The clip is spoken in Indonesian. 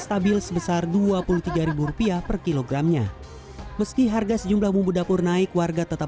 stabil sebesar dua puluh tiga rupiah per kilogramnya meski harga sejumlah bumbu dapur naik warga tetap